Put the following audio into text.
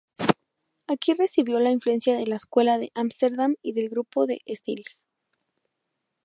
Aquí recibió la influencia de la Escuela de Ámsterdam y del grupo "De Stijl".